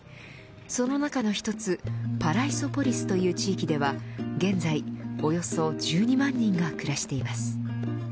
その中の一つパライソポリスという地域では現在およそ１２万人が暮らしています。